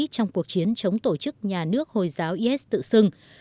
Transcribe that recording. trong cuộc chiến chống tổ chức nhà nước hồi giáo is tự xưng